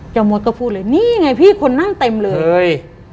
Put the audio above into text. มดก็พูดเลยนี่ไงพี่คนนั่งเต็มเลย